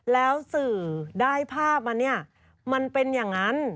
แล้วสื่อได้ภาพมาเนี่ยมันเป็นอย่างนั้น